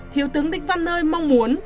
thiếu tướng đích văn nơi mong muốn